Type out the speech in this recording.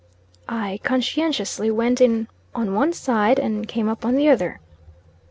I conscientiously went in on one side, and came up on the other.